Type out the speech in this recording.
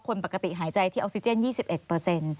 คนปกติหายใจที่ออกซีเจน๒๑